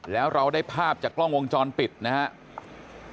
แล้วเราได้ภาพจากกล้องวงจรปิดนะครับ